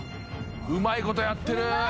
うまいことやってる。